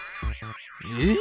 えっ？